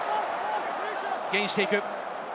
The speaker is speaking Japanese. ゲインしていく。